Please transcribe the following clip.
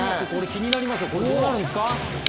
気になりますよ、どうなるんですか、これ。